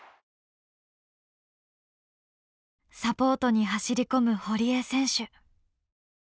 サポートに走り込む堀江選手。